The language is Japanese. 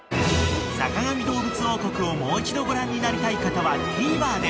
［『坂上どうぶつ王国』をもう一度ご覧になりたい方はＴＶｅｒで］